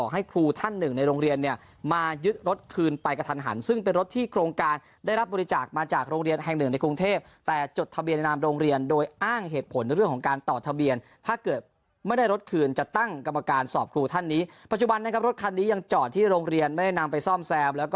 ให้ครูท่านหนึ่งในโรงเรียนเนี่ยมายึดรถคืนไปกระทันหันซึ่งเป็นรถที่โครงการได้รับบริจาคมาจากโรงเรียนแห่งหนึ่งในกรุงเทพแต่จดทะเบียนในนามโรงเรียนโดยอ้างเหตุผลในเรื่องของการต่อทะเบียนถ้าเกิดไม่ได้รถคืนจะตั้งกรรมการสอบครูท่านนี้ปัจจุบันนะครับรถคันนี้ยังจอดที่โรงเรียนไม่ได้นำไปซ่อมแซมแล้วก็